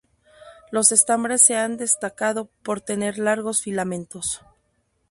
Los estambres se han destacado por tener largos filamentos.